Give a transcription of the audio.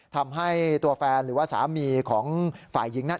ทำให้ตัวแฟนหรือว่าสามีของฝ่ายหญิงนั้น